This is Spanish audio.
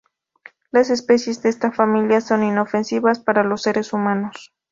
Las especies de esta familia son inofensivas para los seres humanos.